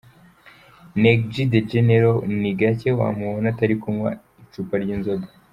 Neg G The General nin gacye wamubona Atari kunywa icupa ry’inzoga.